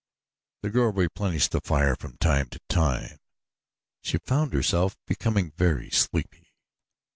The girl replenished the fire from time to time. She found herself becoming very sleepy.